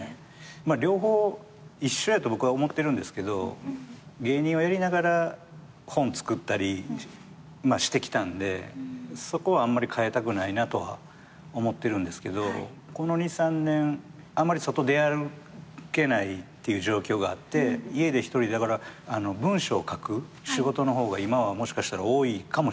両方一緒やと僕は思ってるんですけど芸人をやりながら本作ったりしてきたんでそこはあんまり変えたくないなとは思ってるんですけどこの２３年あまり外出歩けないっていう状況があって家で一人文章を書く仕事の方が今はもしかしたら多いかもしれない。